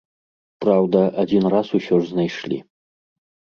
Праўда, адзін раз усё ж знайшлі.